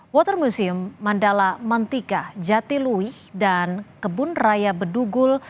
water museum mandala mantika jatilui dan kebun raya bedugul